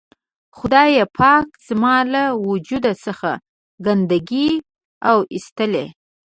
خدای پاک زما له وجود څخه ګندګي و اېستله.